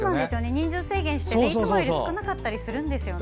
人数制限していつもより少なかったりするんですよね。